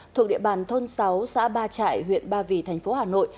thuộc địa bàn thôn sáu xã ba trại huyện ba vì tp hà nội